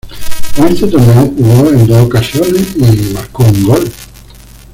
En este torneo jugó en dos ocasiones y marcó un gol.